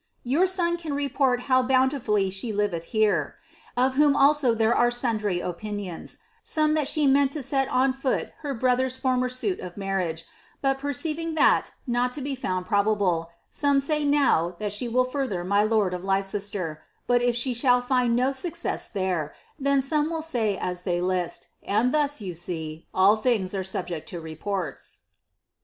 "your son can report how boun t&llf she liveth here; of whom also there are sundry opinions; some that sho iM«Dt to »et on foot her brotlier's former suit of marrinfire, but perceiving that ^tn be Ibuod probable, some now say that she will further my lord of Lei aester: but if vhe shall find no success there, then some will say as tliey list; j ud thu!^ you see, all things are subject to reports."'